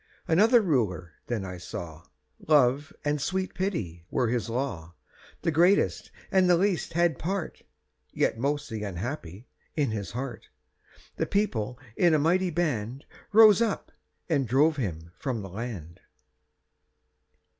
Another Ruler then I saw Love and sweet Pity were his law: The greatest and the least had part (Yet most the unhappy) in his heart The People, in a mighty band, Rose up, and drove him from the land!